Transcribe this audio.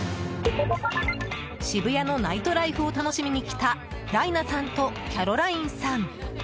渋谷のナイトライフを楽しみに来たライナさんとキャロラインさん。